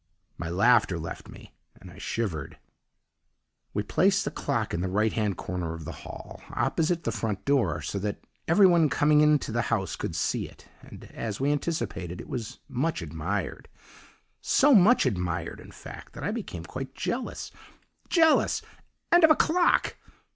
"My laughter left me and I shivered. "We placed the clock in the right hand corner of the hall, opposite the front door, so that every one coming to the house could see it; and, as we anticipated, it was much admired so much admired, in fact, that I became quite jealous jealous, and of a clock!